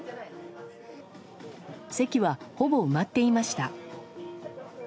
席は、ほぼ埋まっていました。